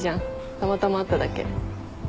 たまたま会っただけ。